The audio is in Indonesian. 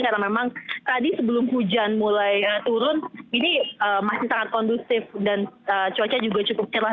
karena memang tadi sebelum hujan mulai turun ini masih sangat kondusif dan cuaca juga cukup cerah